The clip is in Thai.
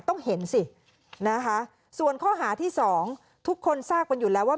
ต้องเห็นสินะคะส่วนข้อหาที่สองทุกคนทราบกันอยู่แล้วว่า